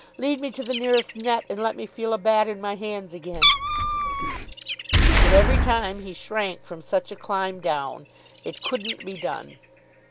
Lead me to the nearest net, and let me feel a bat in my hands again." But every time he shrank from such a climb down. It couldn't be done.